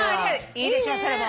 いいでしょそれも。